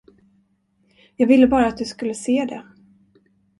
Jag ville bara att du skulle se det.